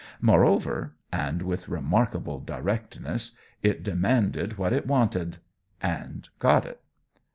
Moreover and with remarkable directness it demanded what it wanted and got it.